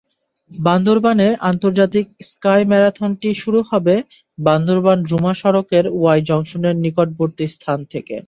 বান্দরবানে আন্তর্জাতিক স্কাই ম্যারাথনটি শুরু হবে বান্দরবান-রুমা সড়কের ওয়াই জংশনের নিকটবর্তী স্থান থেকে।